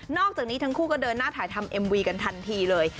อกจากนี้ทั้งคู่ก็เดินหน้าถ่ายทำเอ็มวีกันทันทีเลย